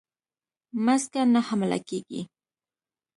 مځکه نه حامله کیږې